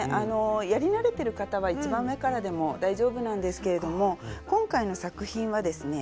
やり慣れてる方は一番上からでも大丈夫なんですけれども今回の作品はですね